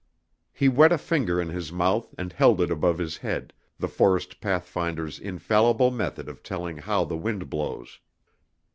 He wet a finger in his mouth and held it above his head, the forest pathfinder's infallible method of telling how the wind blows.